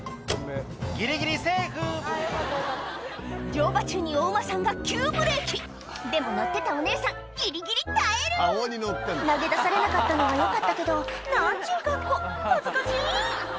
ギリギリセーフ乗馬中にお馬さんが急ブレーキでも乗ってたお姉さんギリギリ耐える投げ出されなかったのはよかったけど何ちゅう格好恥ずかしい